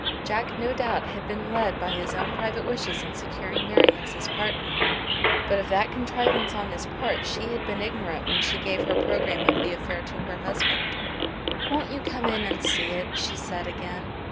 Jack no doubt had been led by his own private wishes in securing Mary as his partner, but of that contrivance on his part she had been ignorant when she gave her programme of the affair to her husband. "Won't you come in and see it?" she said again.